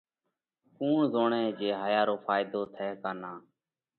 ڪُوڻ زوڻئه جي هايا رو ڦائيڌو ٿئه ڪا نان؟